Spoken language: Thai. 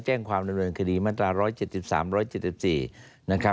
แจ้งความละเนินคดีมาตรา๑๗๓๑๗๔